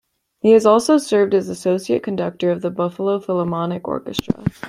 He has also served as associate conductor of the Buffalo Philharmonic Orchestra.